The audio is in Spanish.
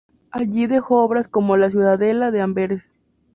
Allí dejó obras como la Ciudadela de Amberes.